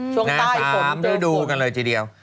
ช่วงใต้ฝนเจอฝน